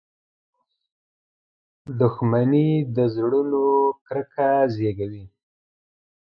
• دښمني د زړونو کرکه زیږوي.